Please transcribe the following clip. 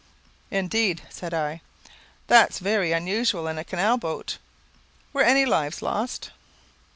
"Indeed!" said I, "that's very unusual in a canal boat; were any lives lost?"